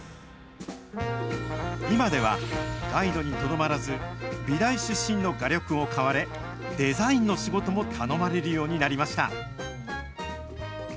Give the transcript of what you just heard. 今ではガイドにとどまらず、美大出身の画力を買われ、デザインの仕事も頼まれるようになりました。